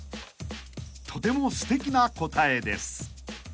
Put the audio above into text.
［とてもすてきな答えです］